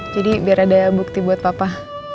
jadi biar ada bukti buat papa